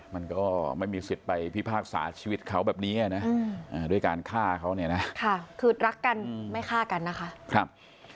มันก็ไม่มีสิทธิ์ไปพิพากษาชีวิตเขาแบบนี้นะด้วยการฆ่าเขาเนี่ยนะคือรักกันไม่ฆ่ากันนะคะ